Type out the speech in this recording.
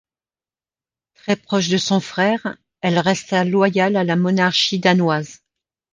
Très proche de son frère, elle resta loyale à la monarchie danoise.